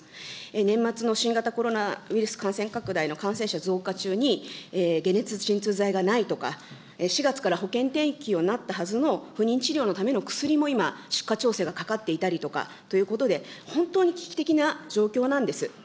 年末の新型コロナウイルス感染拡大の感染者増加中に、解熱鎮痛剤がないとか、４月から保険適用になったはずの不妊治療のための薬も今、出荷調整がかかっていたりとかということで、本当に危機的な状況なんです。